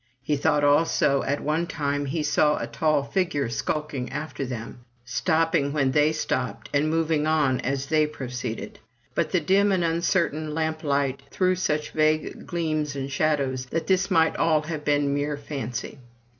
He thought also at one time that he saw a tall figure skulking after them — stopping when they stopped, and moving on as they pro ceeded; but the dim and uncertain lamp light threw such vague gleams and shadows, that this might all have been mere fancy.